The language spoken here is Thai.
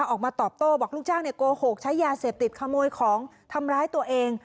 ออกมาตอบโต้บอกลูกจ้างโกหกใช้ยาเสพติดขโมยของทำร้ายตัวเอง